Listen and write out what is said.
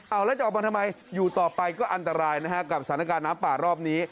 เอาแล้วจะออกมาทำไมอยู่ต่อไปก็อันตรายนะฮะกับสถานการณ์น้ำป่ารอบนี้